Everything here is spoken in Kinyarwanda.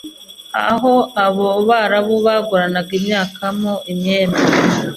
aho abo Barabu baguranaga imyaka mo imyenda